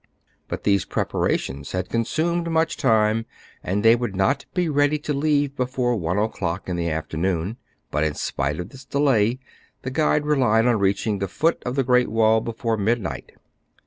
But these preparations had consumed much time, and they would not be ready to leave before one o'clock in the afternoon ; but in spite of this delay the guide relied on reaching the foot of the Great Wall before midnight.